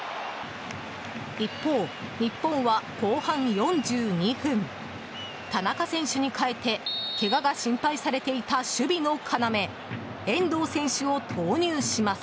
一方、日本は後半４２分田中選手に代えてけがが心配されていた守備の要遠藤選手を投入します。